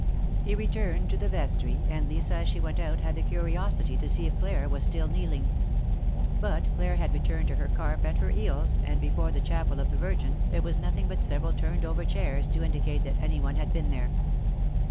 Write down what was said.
'^ He returned to the vestry, and Lisa as she went out had the curiosity to see if Claire was still kneeling. But Claire had returned to her carp and her eels, and before the Chapel of the Virgin there was nothing but several turned over chairs to indicate that any one had been there.